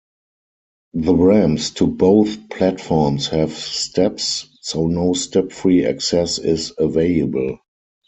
The ramps to both platforms have steps, so no step-free access is available.